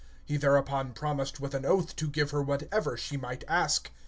(7)Whereupon he promised with an oath, to give her whatever she should ask.